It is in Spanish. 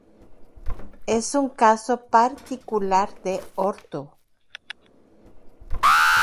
Es un caso particular de orto.